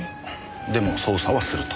でも捜査はすると。